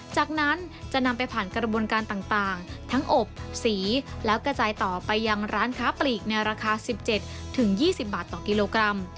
จากนั้นจะนำไปผ่านกระบวนการต่างทั้งอบสีแล้วกระจายต่อไปยังร้านค้าปลีกในราคา๑๗๒๐บาทต่อกิโลกรัม